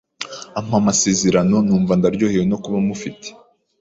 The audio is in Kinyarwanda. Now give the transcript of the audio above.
ampa amasezerano numva ndyohewe no kuba mufite,